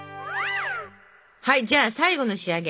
はいじゃあ最後の仕上げ。